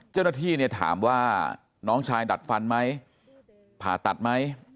เจ้าหน้าที่เนี่ยถามว่าน้องชายดัดฟันไหมผ่าตัดไหม